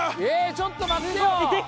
ちょっと待ってよ！